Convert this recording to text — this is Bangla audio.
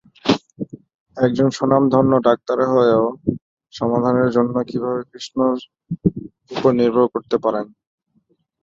একজন স্বনামধন্য ডাক্তার হয়েও, সমাধানের জন্য কীভাবে কৃষ্ণের উপর নির্ভর করতে পারেন?